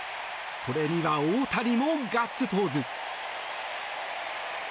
これには大谷もガッツポーズ。